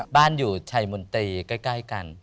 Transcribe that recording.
บ้านอยู่ชัวร์หมุลตรีใกล้กัน